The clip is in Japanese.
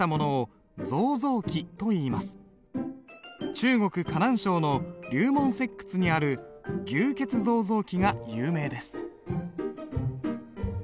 中国・河南省の龍門石窟にある「牛造像記」が有名です。